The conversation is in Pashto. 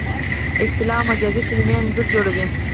اصطلاح او مجازي کلمې انځور جوړوي